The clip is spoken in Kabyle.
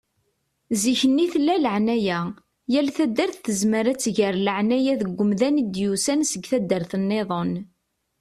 Zikk-nni tella laεnaya. Yal taddart tezmer ad tger laεnaya deg umdan i d-yusan seg taddart-nniḍen.